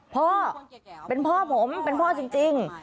พ่อเป็นพ่อผมเป็นพ่อจริง